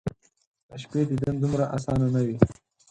د شپې دیدن دومره اسانه ،نه وي